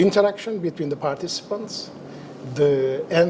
interaksi antara para pelanggan